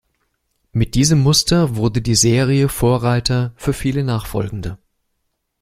Mit diesem Muster wurde die Serie Vorreiter für viele nachfolgende.